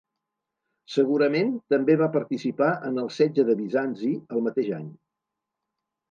Segurament també va participar en el setge de Bizanci el mateix any.